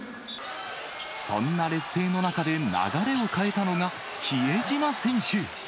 そんな劣勢の中で、流れを変えたのが、比江島選手。